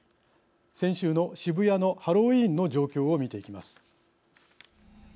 先週の渋谷のハロウィーンの状況を見ていきます。